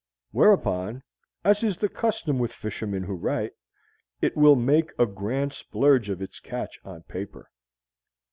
Whereupon, as is the custom with fishermen who write, it will make a grand splurge of its catch on paper.